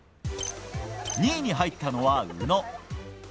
２位に入ったのは宇野。